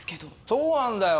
そうなんだよ！